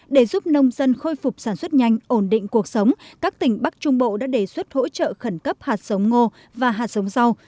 để giúp nông dân khôi phục sản xuất nhanh ổn định cuộc sống các tỉnh bắc trung bộ đã đề xuất hỗ trợ khẩn cấp hạt sống ngô và hạt sống rau